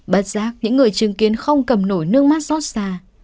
bất giác những người chứng kiến không cầm nổi nước mắt xót xa